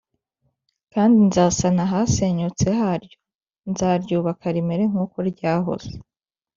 kandi nzasana ahasenyutse haryo, nzaryubaka rimere nk’uko ryahoze kera